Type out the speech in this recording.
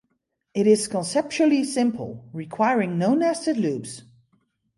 It is conceptually simple, requiring no nested loops.